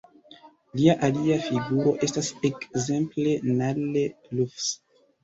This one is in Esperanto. Lia alia figuro estas ekzemple Nalle Lufs.